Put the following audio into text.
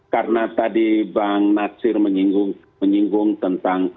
karena tadi bang nasir menyinggung tentang amdal